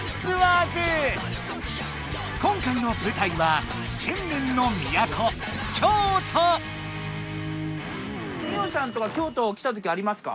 今回のぶたいは千年のみやこミオさんとか京都来たときありますか？